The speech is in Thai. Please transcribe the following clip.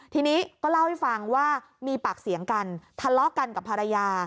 ทีนี้ก็เล่าให้ฟังว่ามีปากเสียงกันทะเลาะกันกับภรรยา